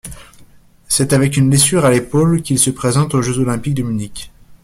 C'est avec une blessure à l'épaule qu'il se présente aux Jeux olympiques de Munich.